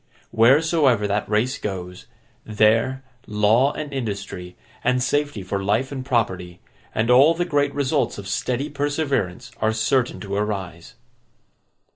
Wheresoever that race goes, there, law, and industry, and safety for life and property, and all the great results of steady perseverance, are certain to arise.